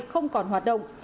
không còn hoạt động